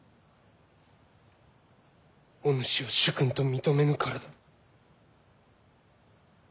お主を主君と認めぬからだ。